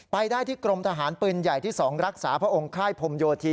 ไปได้ที่กรมทหารปืนใหญ่ที่๒รักษาพระองค์ค่ายพรมโยธี